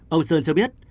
ông sơn cho biết